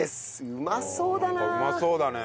うまそうだね！